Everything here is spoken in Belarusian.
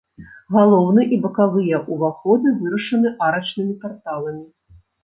Галоўны і бакавыя ўваходы вырашаны арачнымі парталамі.